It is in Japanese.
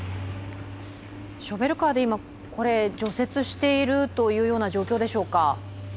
ショベルカーで除雪している状況でしょうか？